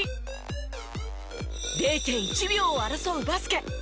０．１秒を争うバスケ。